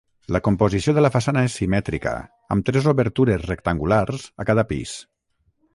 La composició de la façana és simètrica, amb tres obertures rectangulars a cada pis.